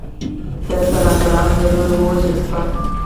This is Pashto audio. د سناتورانو له لوري ووژل شو.